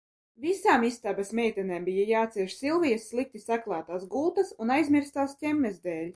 Visām istabas meitenēm bija jācieš Silvijas slikti saklātās gultas un aizmirstās ķemmes dēļ.